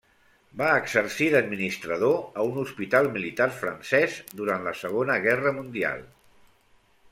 Va exercir d’administrador a un hospital militar francès durant la Segona Guerra Mundial.